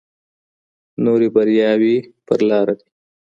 نورې بریاوې په لاره دي.